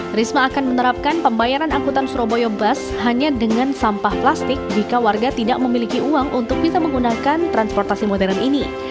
trisma akan menerapkan pembayaran angkutan surabaya bus hanya dengan sampah plastik jika warga tidak memiliki uang untuk bisa menggunakan transportasi modern ini